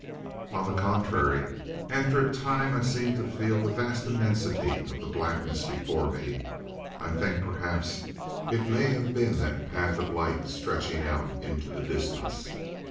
"On the contrary, after a time I seemed to feel the vast immensity of the blackness before me. I think perhaps it may have been that path of light stretching out into the distance.